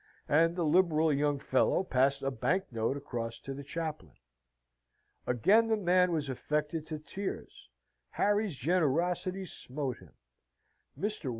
And the liberal young fellow passed a bank note across to the chaplain. Again the man was affected to tears. Harry's generosity smote him. "Mr.